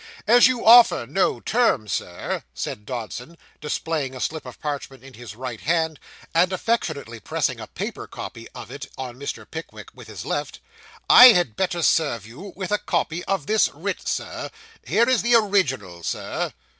'As you offer no terms, sir,' said Dodson, displaying a slip of parchment in his right hand, and affectionately pressing a paper copy of it, on Mr. Pickwick with his left, 'I had better serve you with a copy of this writ, sir. Here is the original, sir.